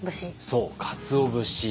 そうかつお節。